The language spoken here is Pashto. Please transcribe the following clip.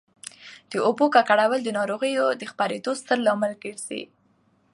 د اوبو ککړول د ناروغیو د خپرېدو ستر لامل ګرځي.